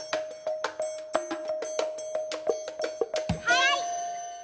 はい！